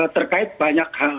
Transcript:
terkait banyak hal